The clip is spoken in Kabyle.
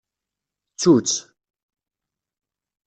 Ttu-tt.